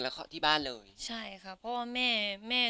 เช่นครับเพราะค่ะครับพ่อแม่